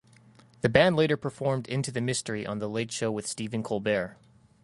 The band later performed "Into the Mystery" on "The Late Show with Stephen Colbert".